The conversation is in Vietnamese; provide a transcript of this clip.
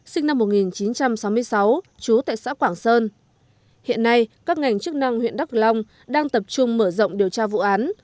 sinh năm một nghìn chín trăm sáu mươi sáu trú tại xã quảng sơn hiện nay các ngành chức năng huyện đắk long đang tập trung mở rộng điều tra vụ án